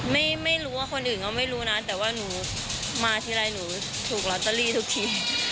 ไม่รู้ว่าคนอื่นก็ไม่รู้นะแต่ว่าหนูมาทีไรหนูถูกลอตเตอรี่ทุกที